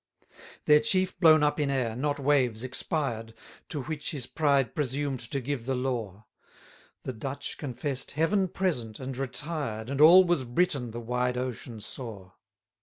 22 Their chief blown up in air, not waves, expired, To which his pride presumed to give the law: The Dutch confess'd Heaven present, and retired, And all was Britain the wide ocean saw.